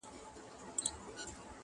یو خوا وي ستا وصل او بل طرف روژه وي زما,